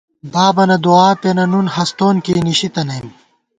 بابَنہ دُعا پېنہ نُون ہستون کېئی نِشی تنئیم